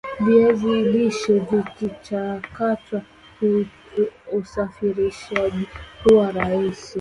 viazi lishe vikichakatwa usafirishajihuwa rahisi